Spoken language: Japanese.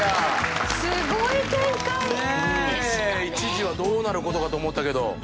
一時はどうなることかと思ったけど。